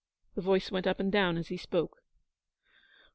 The voice went up and down as he spoke.